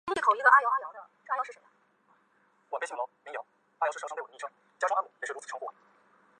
李同度。